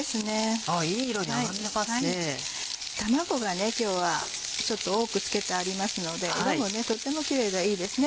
卵が今日はちょっと多く付けてありますので色もとてもキレイでいいですね。